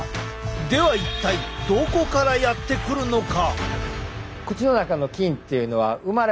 では一体どこからやってくるのか？